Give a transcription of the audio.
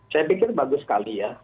saya pikir bagus sekali ya